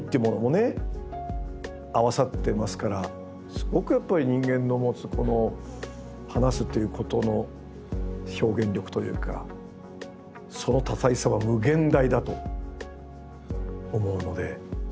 すごくやっぱり人間の持つ話すということの表現力というかその多彩さは無限大だと思うので。